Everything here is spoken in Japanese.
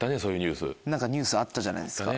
ニュースあったじゃないですか。